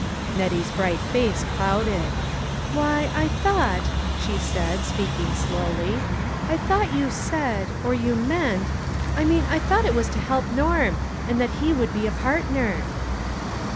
Nettie's bright face clouded. " Why, I thought," she said, speaking slowly, " I thought you said, or you meant I mean I thought it was to help Norm; and that he would be a partner."